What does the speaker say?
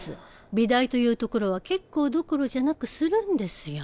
美大という所は結構どころじゃなくするんですよ。